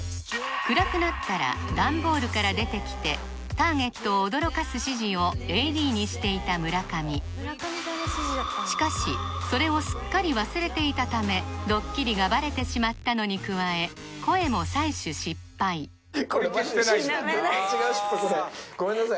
暗くなったら段ボールから出てきてターゲットを驚かす指示をＡＤにしていた村上しかしそれをすっかり忘れていたためドッキリがバレてしまったのに加え声も採取失敗取り消してないんだごめんなさい